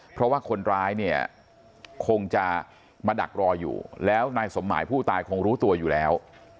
เพราะว่าคนร้ายเนี่ยคงจะมาดักรออยู่แล้วนายสมหมายผู้ตายคงรู้ตัวอยู่แล้ว